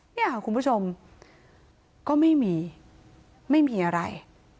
เนี่ยค่ะคุณผู้ชมก็ไม่มีไม่มีอะไร